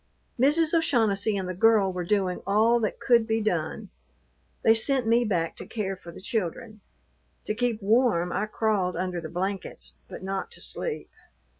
Mrs. O'Shaughnessy and the girl were doing all that could be done; they sent me back to care for the children. To keep warm I crawled under the blankets, but not to sleep.